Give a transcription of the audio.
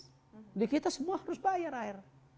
jadi kita semua harus bayar air